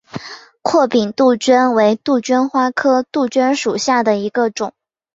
阔柄杜鹃为杜鹃花科杜鹃属下的一个种。